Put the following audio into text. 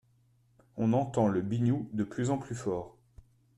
On entend le biniou de plus en plus fort.